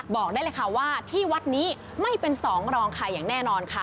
บอกได้เลยค่ะว่าที่วัดนี้ไม่เป็นสองรองใครอย่างแน่นอนค่ะ